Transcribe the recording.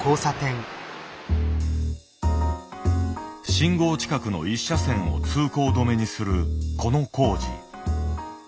信号近くの１車線を通行止めにするこの工事。